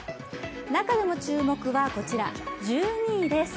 中でも注目は１２位です。